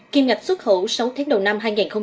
kim ngạch xuất khẩu sáu tháng đầu năm hai nghìn hai mươi